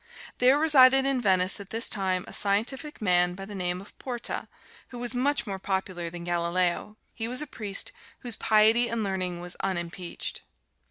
There resided in Venice at this time a scientific man by the name of Porta, who was much more popular than Galileo. He was a priest, whose piety and learning was unimpeached.